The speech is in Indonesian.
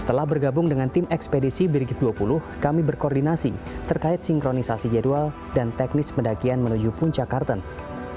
setelah bergabung dengan tim ekspedisi birgi dua puluh kami berkoordinasi terkait sinkronisasi jadwal dan teknis pendakian menuju puncak kartens